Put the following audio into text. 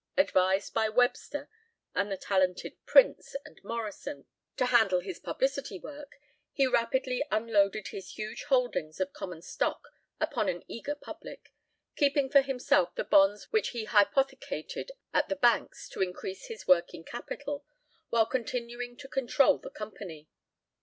Advised by Webster and the talented Prince and Morrison to handle his publicity work, he rapidly unloaded his huge holdings of common stock upon an eager public, keeping for himself the bonds which he hypothecated at the banks to increase his working capital while continuing to control the company.